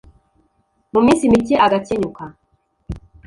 mu minsi mike agakenyuka